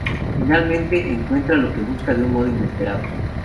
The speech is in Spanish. Finalmente, encuentra lo que busca de un modo inesperado.